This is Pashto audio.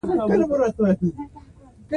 سیندونه د افغانستان د پوهنې نصاب کې شامل دي.